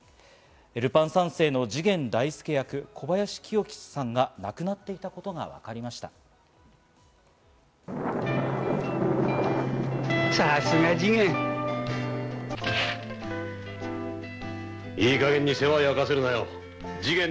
『ルパン三世』の次元大介役・小林清志さんが亡くなっていたことさすが次元。